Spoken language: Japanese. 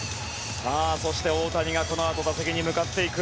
そして大谷がこのあと打席に向かっていく。